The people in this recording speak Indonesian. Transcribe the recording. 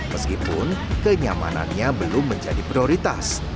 meskipun kenyamanannya belum menjadi prioritas